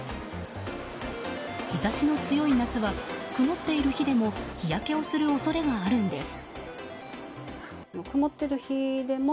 日差しの強い夏は曇っている日でも日焼けをする恐れがあるんです。